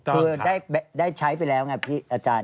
คือได้ใช้ไปแล้วไงพี่อาจารย์